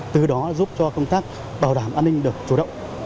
từ đó giúp cho công tác bảo đảm an ninh được chủ động